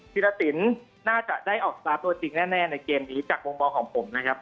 ธิรสินน่าจะได้ออกสตาร์ทตัวจริงแน่ในเกมนี้จากมุมมองของผมนะครับ